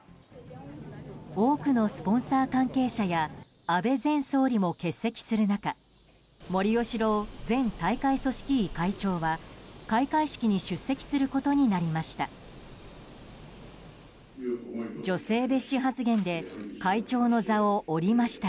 多くのスポンサー関係者や安倍前総理も欠席する中森喜朗前大会組織委会長は開会式に出席することになりました。